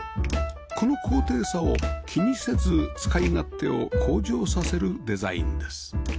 この高低差を気にせず使い勝手を向上させるデザインです